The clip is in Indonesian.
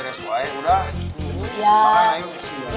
orang orang di sini yangci